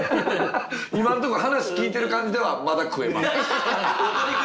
今んとこ話聞いてる感じではまだ食えます。